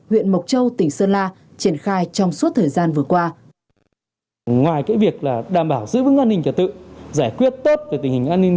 huyện mộc châu tỉnh sơn la triển khai trong suốt thời gian vừa qua